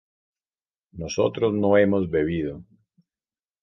nosotros no hemos bebido